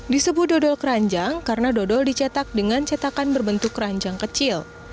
disebut dodol keranjang karena dodol dicetak dengan cetakan berbentuk keranjang kecil